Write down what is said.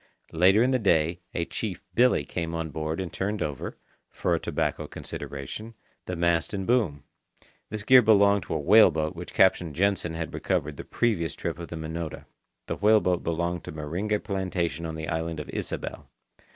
Later in the day, a Chief Billy came on board and turned over, for a tobacco consideration, the mast and boom. This gear belonged to a whale boat which Captain Jansen had recovered the previous trip of the Minota. The whale boat belonged to Meringe Plantation on the island of Ysabel.